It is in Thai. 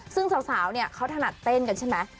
ซึ่งสาวเนี่ยเขาถนัดเต้นกันใช่ไหม